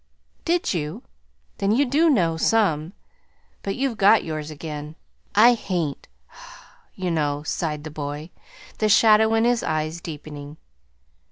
"Did you? Then you do know, some. But you've got yours again. I hain't, you know," sighed the boy, the shadow in his eyes deepening.